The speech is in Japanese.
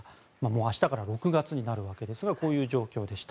明日から６月になるわけですがこういう状況でした。